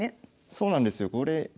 そうなんですよ。